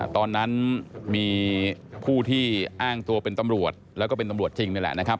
ตอนนั้นมีผู้ที่อ้างตัวเป็นตำรวจแล้วก็เป็นตำรวจจริงนี่แหละนะครับ